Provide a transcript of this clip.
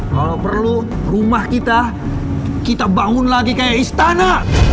kalau perlu rumah kita kita bangun lagi kayak istana